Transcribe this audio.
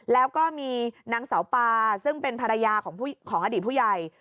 แล้วก็มีนางเสาปาซึ่งเป็นภรรยาของอดีตผู้ใหญ่